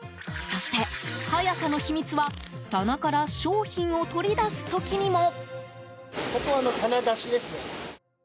そして、早さの秘密は棚から商品を取り出す時にも。